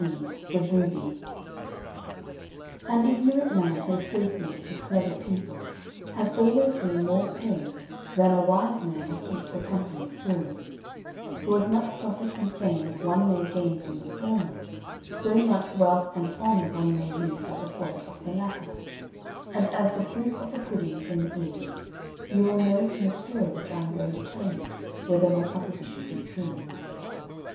XIX THE BOOBY An ignorant man who associates with clever people has always been more praised than a wise man who keeps the company of fools; for as much profit and fame as one may gain from the former, so much wealth and honour one may lose by the fault of the latter; and as the proof of the pudding is in the eating, you will know from the story which I am going to tell you whether my proposition be true.